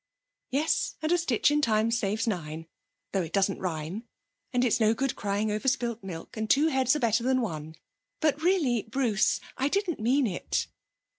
'Yes, and a stitch in time saves nine though it doesn't rhyme. And it's no good crying over spilt milk, and two heads are better than one. But, really, Bruce, I didn't mean it.'